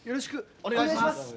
お願いします！